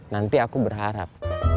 nanti aku berharap